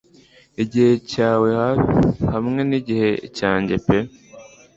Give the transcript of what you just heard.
Igihe cyawe hamwe nigihe cyanjye pe